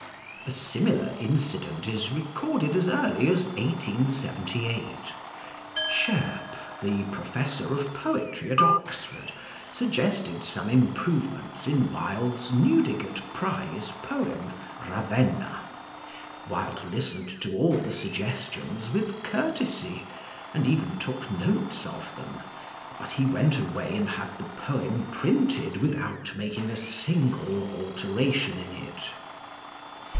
A similar incident is recorded as early as 1878. Shairp, the Professor of Poetry at Oxford, suggested some improvements in Wilde's Newdigate Prize Poem Ravenna. Wilde listened to all the suggestions with courtesy, and even took notes of them, but he went away and had the poem printed without making a single alteration in it.